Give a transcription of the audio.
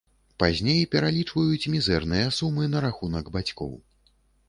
Пазней пералічваюць мізэрныя сумы на рахунак бацькоў.